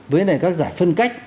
với những cái giải phân cách